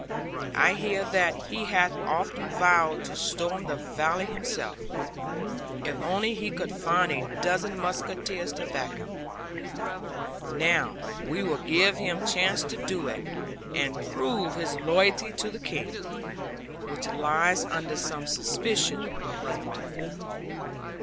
I hear that he hath often vowed to storm the valley himself, if only he could find a dozen musketeers to back him. Now, we will give him chance to do it, and prove his loyalty to the King, which lies under some suspicion of late.'